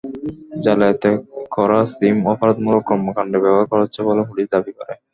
জালিয়াতি করা সিম অপরাধমূলক কর্মকাণ্ডে ব্যবহার করা হচ্ছে বলে পুলিশ দাবি করে।